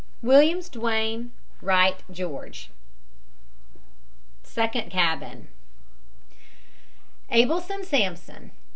WILLIAMS, DUANE. WRIGHT, GEORGE. SECOND CABIN ABELSON, SAMSON.